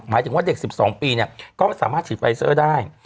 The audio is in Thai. หมายถึงว่าเด็ก๑๒ปีก็สามารถฉีดไฟเซอร์ได้